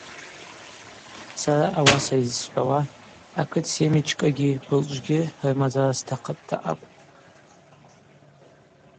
Сара ауаса йызсхӏвауа, акыт семчкӏагьи былчӏвгьи рымазара стахъыпӏта акӏвпӏ.